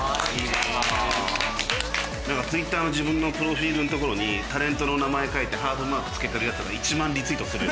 なんかＴｗｉｔｔｅｒの自分のプロフィールのところにタレントの名前書いてハートマークつけてるヤツらが１万リツイートするよ。